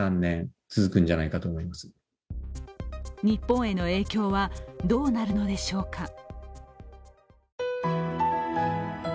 日本への影響はどうなるのでしょうか。